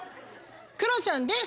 クロちゃんです！